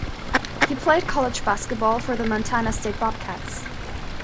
He played college basketball for the Montana State Bobcats.